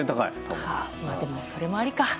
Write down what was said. でも、それもありか。